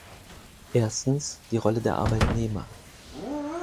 Erstens, die Rolle der Arbeitnehmer.